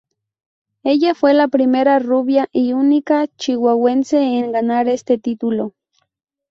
Ella fue la primera rubia y única Chihuahuense en ganar este título.